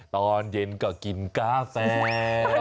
ตอนเย็นก็กินกาแฟ